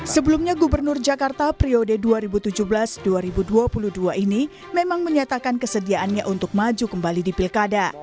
sebelumnya gubernur jakarta priode dua ribu tujuh belas dua ribu dua puluh dua ini memang menyatakan kesediaannya untuk maju kembali di pilkada